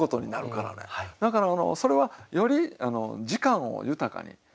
だからそれはより時間を豊かに。